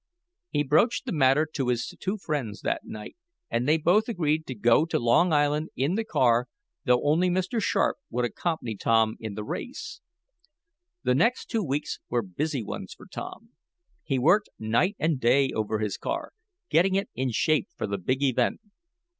He broached the matter to his two friends that night, and they both agreed to go to Long Island in the car, though only Mr. Sharp would accompany Tom in the race. The next two weeks were busy ones for Tom. He worked night and day over his car, getting it in shape for the big event.